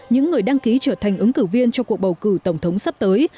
những người đăng ký trở thành ứng cử viên cho cuộc bầu cử tổng thống sắp tới